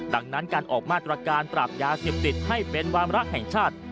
ดังนั้นการออกมาตรการปราบยาเสพติดให้เป็นวามระแห่งชาติ